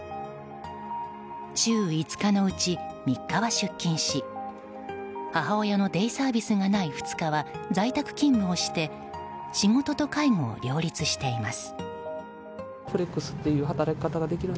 週５日のうち、３日は出勤し母親のデイサービスがない２日は在宅勤務をして仕事と介護を両立しています。